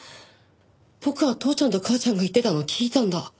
僕は父ちゃんと母ちゃんが言ってたのを聞いたんだ。